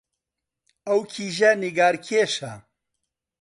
ئەو کیژە نیگارکێشە